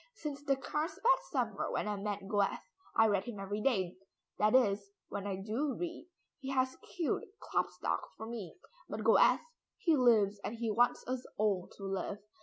"Since the Carlsbad summer when I met Goethe, I read him every day, that is when I do read. He has killed Klopstock for me, but Goethe he lives and he wants us all to live.